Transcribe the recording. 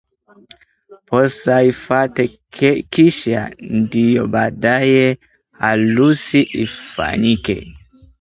posa ifate kisha ndio baadaye harusi ifanyike